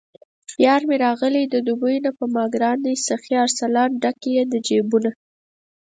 یارمې راغلی د دوبۍ نه په ماګران دی سخي ارسلان، ډک یې د جېبونه